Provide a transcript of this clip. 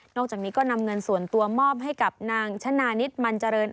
จากนี้ก็นำเงินส่วนตัวมอบให้กับนางชนะนิดมันเจริญ